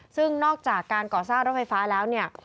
ซึ่งนอกจากการก่อสร้างรถไฟฟ้าแล้วเนี่ย